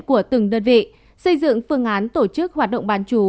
của từng đơn vị xây dựng phương án tổ chức hoạt động bán chú